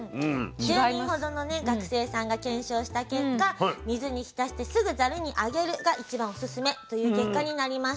１０人ほどの学生さんが検証した結果「水に浸してすぐざるにあげる」が一番オススメという結果になりました。